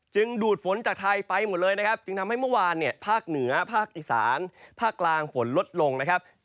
ดูดฝนจากไทยไปหมดเลยนะครับจึงทำให้เมื่อวานเนี่ยภาคเหนือภาคอีสานภาคกลางฝนลดลงนะครับ